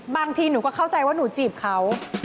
บางทีหนูก็เข้าใจว่าหนูจีบเขา